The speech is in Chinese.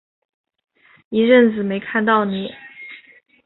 一阵子没看到妳